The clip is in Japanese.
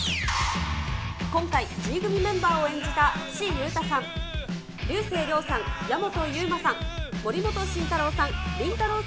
今回、Ｇ組メンバーを演じた岸優太さん、竜星涼さん、矢本悠馬さん、森本慎太郎さん、りんたろー。